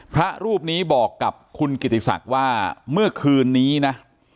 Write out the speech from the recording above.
พระรูปนี้บอกกับคุณกิติศักดิ์ว่าเมื่อคืนนี้นะ